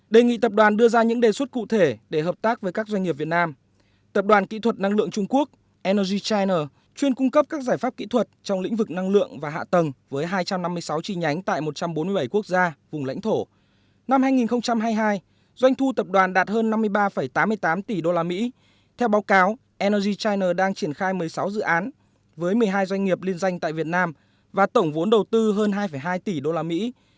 đề nghị tập đoàn đưa ra những đề xuất cụ thể để hợp tác với các doanh nghiệp việt nam